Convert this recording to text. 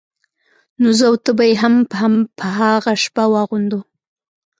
نو زه او ته به يې هم په هغه شپه واغوندو.